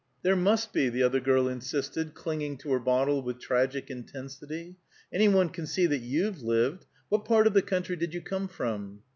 "There must be!" the other girl insisted, clinging to her bottle with tragic intensity. "Any one can see that you've lived. What part of the country did you come from?"